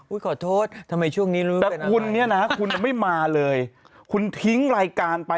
ขอโทษทำไมช่วงนี้รู้แต่คุณเนี่ยนะคุณไม่มาเลยคุณทิ้งรายการไป